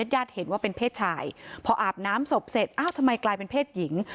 ญาติเห็นว่าเป็นเพศชายพออาบน้ำศพเสร็จอ้าวทำไมกลายเป็นเพศหญิง